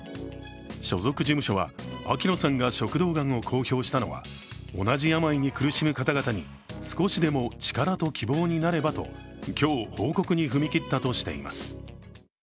所属事務所は秋野さんが食道がんを公表したのは同じ病に苦しむ方々に少しでも力と希望になればと今日報告に踏み切ったとしています。